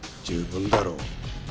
十分だろ？